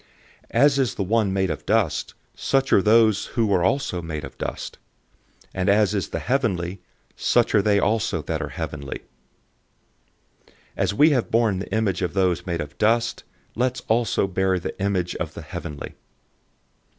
015:048 As is the one made of dust, such are those who are also made of dust; and as is the heavenly, such are they also that are heavenly. 015:049 As we have borne the image of those made of dust, let's{NU, TR read "we will" instead of "let's"} also bear the image of the heavenly.